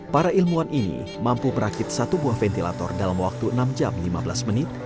para ilmuwan ini mampu merakit satu buah ventilator dalam waktu enam jam lima belas menit